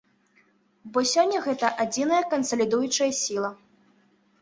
Бо сёння гэта адзіная кансалідуючая сіла.